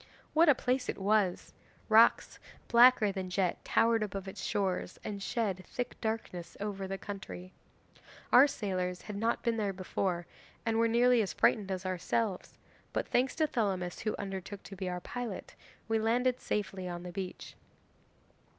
What a place it was! Rocks blacker than jet towered above its shores and shed thick darkness over the country. Our sailors had not been there before and were nearly as frightened as ourselves, but thanks to Thelamis, who undertook to be our pilot, we landed safely on the beach.